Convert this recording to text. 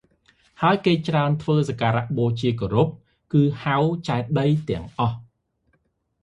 ហើយគេច្រើនធ្វើសក្ការៈបូជាគោរព ក៏ហៅ ចេតិយទាំងអស់។